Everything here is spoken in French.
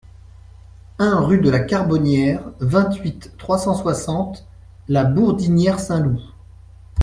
un rue de la Carbonniere, vingt-huit, trois cent soixante, La Bourdinière-Saint-Loup